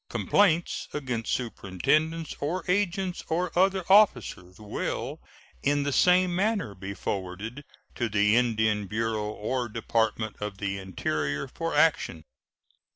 Complaints against superintendents or agents or other officers will in the same manner be forwarded to the Indian Bureau or Department of the Interior for action.